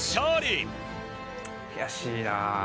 悔しいな。